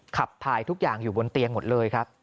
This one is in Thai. ขับถ่ายทุกอย่างอยู่บนเตียงหมดเลยครับ